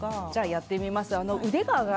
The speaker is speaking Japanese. やってみます。